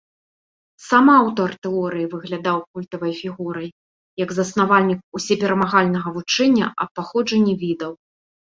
Сам аўтар тэорыі выглядаў культавай фігурай, як заснавальнік ўсёперамагальнага вучэння аб паходжанні відаў.